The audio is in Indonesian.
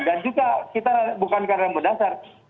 dan juga kita bukan karena berdasar